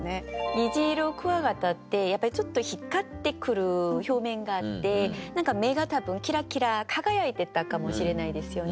ニジイロクワガタってちょっと光ってくる表面があって何か目が多分キラキラ輝いてたかもしれないですよね。